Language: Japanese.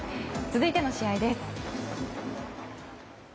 続いての試合です。